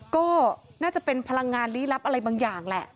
ก็น่าจะเป็นพลังงานลี้ลับอะไรบางอย่างแหละ